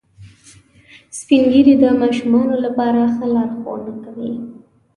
سپین ږیری د ماشومانو لپاره ښه لارښوونه کوي